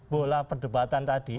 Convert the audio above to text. bola perdebatan tadi